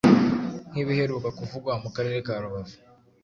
nk’ibiheruka kuvugwa mu Karere ka Rubavu.